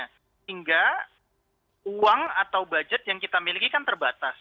sehingga uang atau budget yang kita miliki kan terbatas